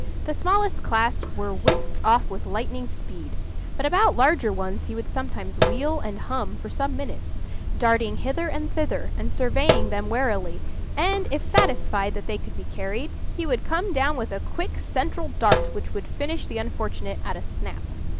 The smallest class were whisked off with lightning speed; but about larger ones he would sometimes wheel and hum for some minutes, darting hither and thither, and surveying them warily, and if satisfied that they could be carried, he would come down with a quick, central dart which would finish the unfortunate at a snap.